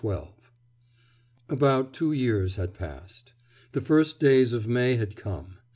XII About two years had passed. The first days of May had come.